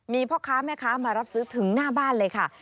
มีพ่อค้าแม่ค้ามารับซื้อถึงหน้าบ้านเลยค่ะ